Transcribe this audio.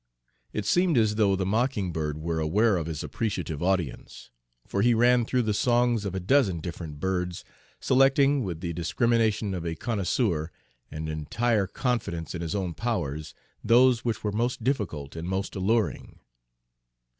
It seemed as though the mockingbird were aware of his appreciative audience, for he ran through the songs of a dozen different birds, selecting, with the discrimination of a connoisseur and entire confidence in his own powers, those which were most difficult and most alluring.